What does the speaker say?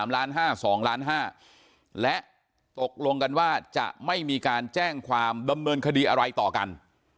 ๕๒ล้าน๕และตกลงกันว่าจะไม่มีการแจ้งความดำเนินคดีอะไรต่อกัน